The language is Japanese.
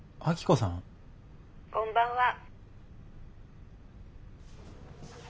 こんばんは。